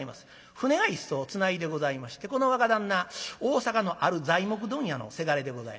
舟が一艘つないでございましてこの若旦那大阪のある材木問屋のせがれでございます。